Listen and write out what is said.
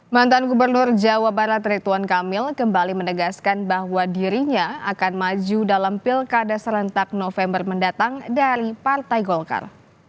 mantan gubernur jawa barat rituan kamil kembali menegaskan bahwa dirinya akan maju dalam pilkada serentak november mendatang dari partai golkar